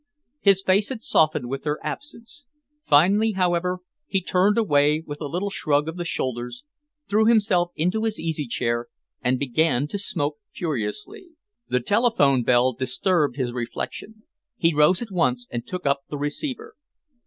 His face had softened with her absence. Finally, however, he turned away with a little shrug of the shoulders, threw himself into his easy chair and began to smoke furiously. The telephone bell disturbed his reflection. He rose at once and took up the receiver.